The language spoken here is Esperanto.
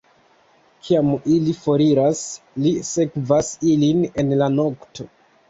Kiam ili foriras, li sekvas ilin en la nokto.